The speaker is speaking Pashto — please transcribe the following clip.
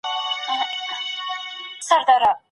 ټولنیز علوم په پوهنتونونو کي تدریس کیږي.